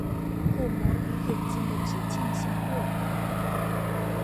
鼓膜与眼睛的直径相若。